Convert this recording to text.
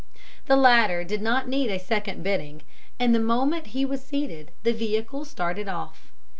The latter did not need a second bidding, and the moment he was seated, the vehicle started off.